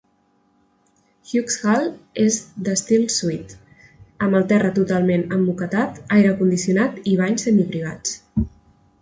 Hughes Hall és de estil suite, amb el terra totalment emmoquetat, aire condicionat i banys semiprivats.